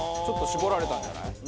ちょっと絞られたんじゃない？